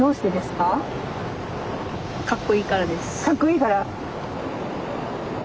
かっこいいから。